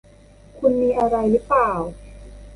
คุณมีอะไรรึเปล่า